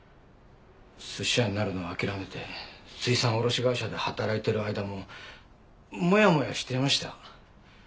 寿司屋になるのを諦めて水産卸会社で働いている間もモヤモヤしていましたよ。